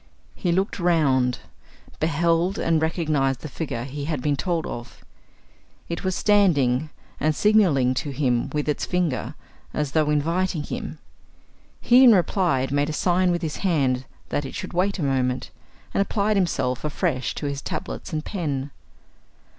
He looked round, beheld and recognized the figure he had been told of. It was standing and signalling to him with its finger, as though inviting him. He, in reply, made a sign with his hand that it should wait a moment, and applied himself afresh to his tablets and pen.